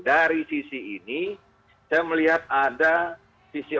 dari sisi ini saya melihat ada sisi